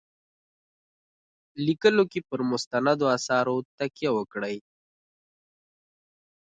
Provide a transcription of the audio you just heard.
لیکلو کې پر مستندو آثارو تکیه وکړي.